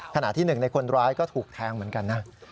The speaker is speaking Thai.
ขณะที่หนึ่งในคนร้ายก็ถูกแทงเหมือนกันนะ